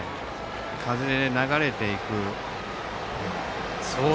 風で流れていくところ。